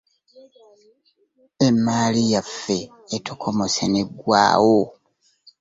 Emmaali yaffe etokomose negwawo.